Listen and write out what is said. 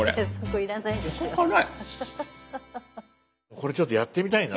これちょっとやってみたいな。